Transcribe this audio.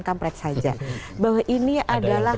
kampret saja bahwa ini adalah